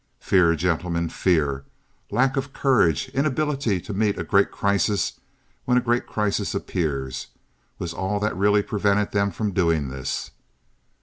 Fear, gentlemen, fear, lack of courage, inability to meet a great crisis when a great crisis appears, was all that really prevented them from doing this.